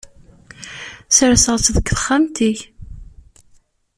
Serseɣ-tt deg texxamt-ik.